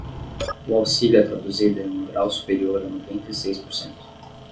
O auxílio é traduzido em um grau superior a noventa e seis por cento.